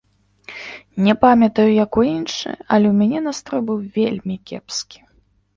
Не памятаю, як у іншых, але ў мяне настрой быў вельмі кепскі.